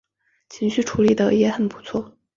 情绪处理的也很不错